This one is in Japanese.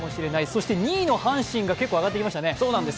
そして２位の阪神が結構、上がってきましたね。